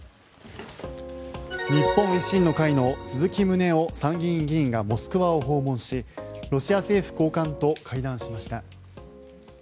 日本維新の会の鈴木宗男参議院議員がモスクワを訪問しロシア政府高官と会談しました。